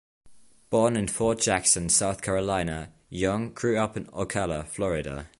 Born in Fort Jackson, South Carolina, Yonge grew up in Ocala, Florida.